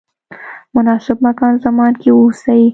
مناسب مکان زمان کې واوسئ.